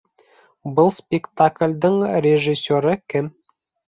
Был спектеклдең режиссеры кем?